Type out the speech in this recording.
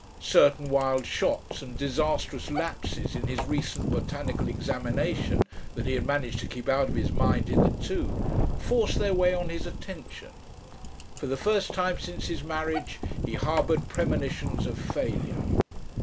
Certain wild shots and disastrous lapses in his recent botanical examination, that he had managed to keep out of his mind hitherto, forced their way on his attention. For the first time since his marriage he harboured premonitions of failure.